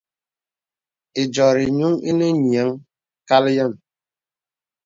Ediórī gnūŋ inə nīəŋ kal yēm.